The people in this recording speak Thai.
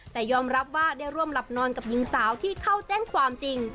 แต่ยอมรับว่าได้ร่วมหลับนอนกับหญิงสาวที่เข้าแจ้งความจริง